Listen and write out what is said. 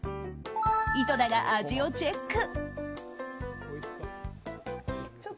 井戸田が味をチェック。